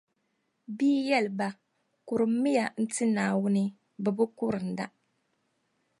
Bɛ yi yɛli ba: Kurummi ya n-ti Naawuni, bɛ bi kurinda.